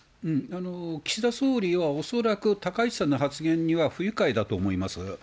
岸田総理は恐らく高市さんの発言には不愉快だと思います。